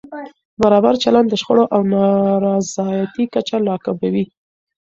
برابر چلند د شخړو او نارضایتۍ کچه راکموي.